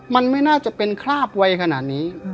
มันไม่น่าจะเป็นคราบไวขนาดนี้